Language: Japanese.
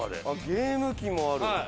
「ゲーム機もある」